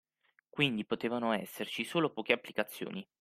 Quindi potevano esserci solo poche applicazioni.